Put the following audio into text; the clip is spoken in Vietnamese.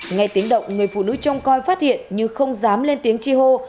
ngay tiếng động người phụ nữ trông coi phát hiện nhưng không dám lên tiếng trì hồ